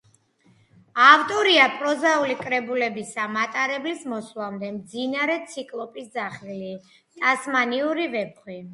ავტორია პროზაული კრებულებისა „მატარებლის მოსვლამდე“, „მძინარე ციკლოპის ძახილი“, „ტასმანიური ვეფხვი“.